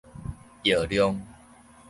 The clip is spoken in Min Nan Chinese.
藥量